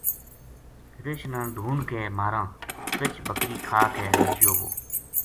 رچھ ناڈھُونڈ کے ماراں رچھ بکری کھا کے رجیو وو